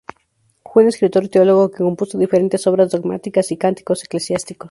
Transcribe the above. Fue un escritor, teólogo que compuso diferentes obras dogmáticas y cánticos eclesiásticos.